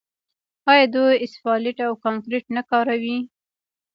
آیا دوی اسفالټ او کانکریټ نه کاروي؟